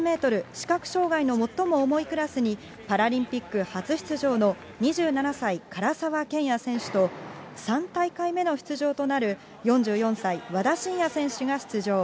視覚障害の最も重いクラスに、パラリンピック初出場の２７歳、唐澤剣也選手と、３大会目の出場となる４４歳、和田伸也選手が出場。